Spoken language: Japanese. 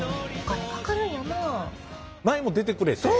前も出てくれて。